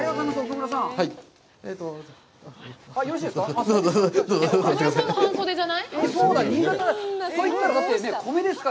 よろしいですか？